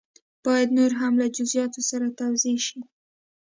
باید نور هم له جزیاتو سره توضیح شي.